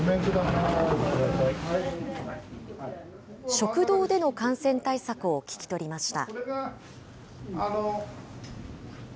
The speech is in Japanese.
食堂での感染対策を聞き取りました。